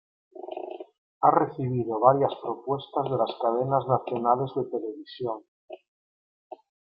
Ha recibido varias propuestas de las cadenas nacionales de televisión.